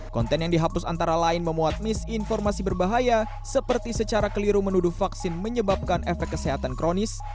konten yang dihapus antara lain memuat misinformasi berbahaya seperti secara keliru menuduh vaksin menyebabkan efek kesehatan kronis